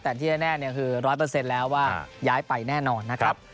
แต่ที่แน่คือ๑๐๐แล้วว่าย้ายไปแน่นอนนะครับ